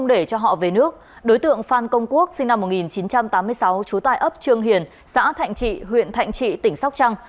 đối tượng phan công quốc sinh năm một nghìn chín trăm tám mươi sáu chú tài ấp trương hiền xã thạnh trị huyện thạnh trị tỉnh sóc trăng